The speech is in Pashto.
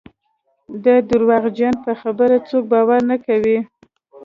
د درواغجن په خبره څوک باور نه کوي.